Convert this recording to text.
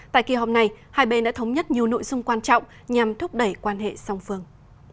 tại kỳ họp này hai bên đã thống nhất nhiều nội dung quan trọng nhằm thúc đẩy quan hệ song phương